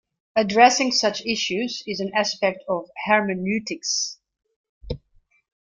Addressing such issues is an aspect of hermeneutics.